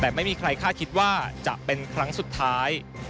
แต่ไม่มีใครคาดคิดว่าจะเป็นครั้งสุดท้าย